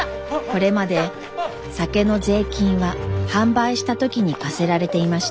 これまで酒の税金は販売した時に課せられていました。